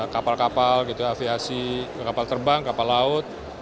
kapal kapal aviasi kapal terbang kapal laut